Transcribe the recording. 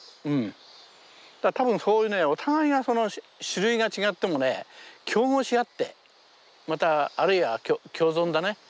多分そういうねお互いが種類が違ってもね競合し合ってまたあるいは共存だね。